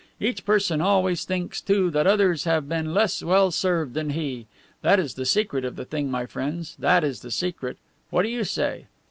Each person always thinks, too, that others have been less well served than he. That is the secret of the thing, my friends, that is the secret. What do you say?"